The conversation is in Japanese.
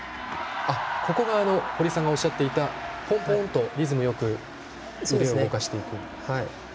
堀さんがおっしゃっていたポンポンとリズムよく腕を動かしていくところ。